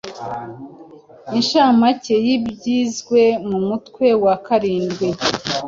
Inshamake y’ibyizwe mu mutwe wa karindwi